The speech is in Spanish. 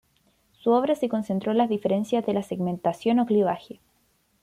Su obra se concentró en las diferencias de la segmentación o clivaje.